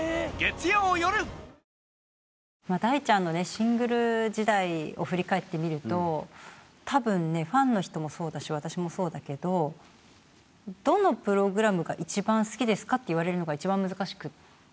シングル時代を振り返ってみると多分ねファンの人もそうだし私もそうだけどどのプログラムが一番好きですか？って言われるのが一番難しくって。